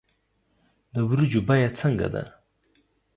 د ورجو بیه څنګه ده